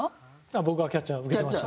僕はキャッチャーで出てました。